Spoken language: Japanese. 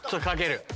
かける。